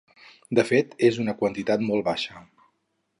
De fet, és una quantitat molt baixa.